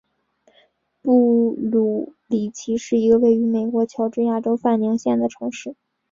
布卢里奇是一个位于美国乔治亚州范宁县的城市。